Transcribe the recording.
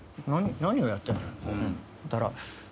何をやってんだよ。